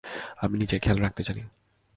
আমি নিজের খেয়াল রাখতে জানি।